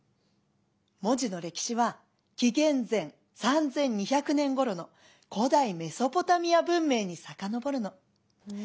文字の歴史は紀元前３２００年ごろの古代メソポタミア文明に遡るの。